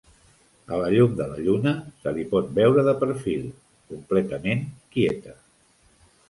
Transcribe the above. A la llum de la lluna, se li pot veure de perfil, completament quieta.